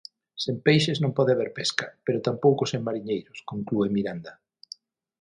Sen peixes non pode haber pesca, pero tampouco sen mariñeiros, conclúe Miranda.